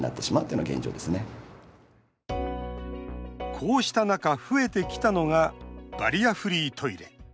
こうした中、増えてきたのがバリアフリートイレ。